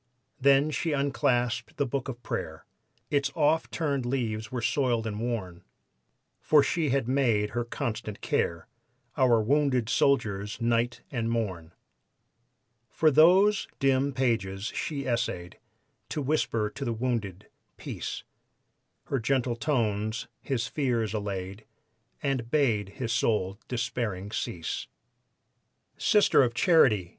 Then she unclasped the book of prayer, Its oft turned leaves were soiled and worn, For she had made her constant care Our wounded soldiers night and morn. From those dim pages she essayed To whisper to the wounded, "Peace!" Her gentle tones his fears allayed And bade his soul despairing cease. "Sister of Charity!"